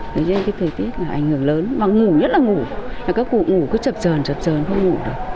thế nên cái thời tiết ảnh hưởng lớn mà ngủ nhất là ngủ là các cụ ngủ cứ chập trờn chập trờn không ngủ được